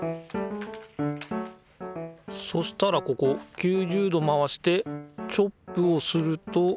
そしたらここ９０度回してチョップをすると。